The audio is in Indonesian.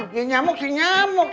ya nyamuk sih nyamuk